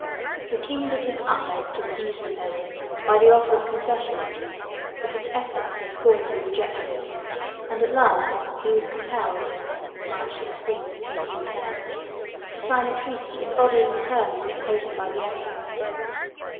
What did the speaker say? The king did his utmost to appease Napoleon by the offer of concessions, but his efforts were scornfully rejected, and at last he was compelled (March 16, 1810) to sign a treaty embodying the terms dictated by the emperor.